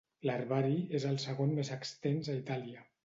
L'herbari és el segon més extens a Itàlia.